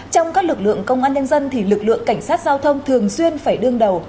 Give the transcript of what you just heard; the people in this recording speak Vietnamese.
trong các lực lượng công an nhân dân thì lực lượng cảnh sát giao thông thường xuyên phải đương đầu